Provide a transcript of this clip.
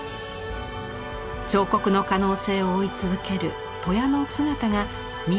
彫刻の可能性を追い続ける戸谷の姿が見えてくるようです。